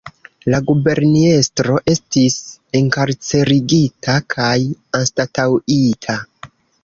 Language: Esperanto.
La guberniestro estis enkarcerigita kaj anstataŭita.